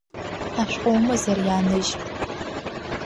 Ашәҟәы умазар иааныжь!